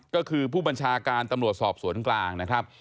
ก็คือผู้บัญชาการตำรวจสอบสวนกลางนะครับ